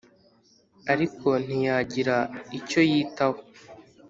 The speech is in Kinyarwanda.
ariko ntiyagira icyo yitaho.